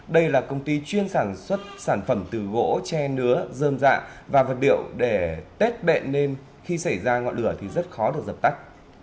đây là công ty chuyên sản xuất sản phẩm từ gỗ tre nứa dơm dạ và vật liệu để tết bẹn nên khi xảy ra ngọn lửa thì rất khó được dập tắt